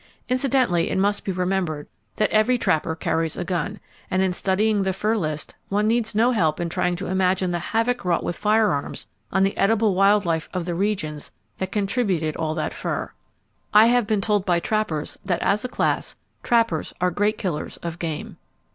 Incidentally it must be remembered that every trapper carries a gun, and in studying the fur list one needs no help in trying to imagine the havoc wrought with firearms on the edible wild life of the regions that contributed all that fur. I have been told by trappers that as a class, trappers are great killers of game.